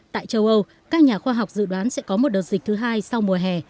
tại châu âu các nhà khoa học dự đoán sẽ có một đợt dịch thứ hai sau mùa hè